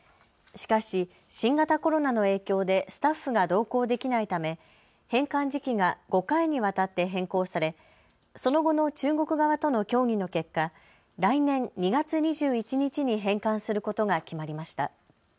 しかし新型コロナの影響でスタッフが同行できないため返還時期が５回にわたって変更され、その後の中国側との協議の結果、来年２月２１日に返還することが決まりました。